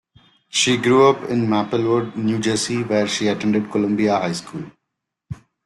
She grew up in Maplewood, New Jersey, where she attended Columbia High School.